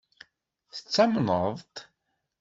Tettamneḍ-t?